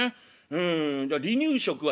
「うんじゃ離乳食は」。